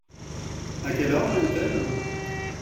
A quelle heure vient-elle ?